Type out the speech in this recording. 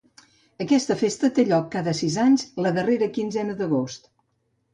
Aquesta festa té lloc cada sis anys la darrera quinzena d'agost.